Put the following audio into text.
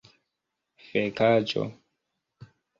fekaĵo